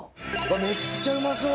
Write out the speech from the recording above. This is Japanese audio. めっちゃうまそう！